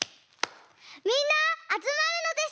みんなあつまるのです！